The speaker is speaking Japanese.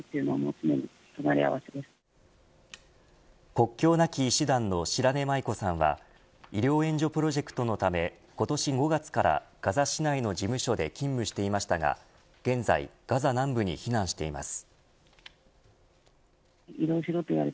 国境なき医師団の白根麻衣子さんは医療援助プロジェクトのため今年５月からガザ市内の事務所で勤務していましたが現在、ガザ南部に避難しています。